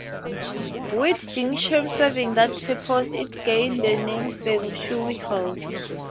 With Jingshan serving that purpose, it gained the name Feng Shui Hill.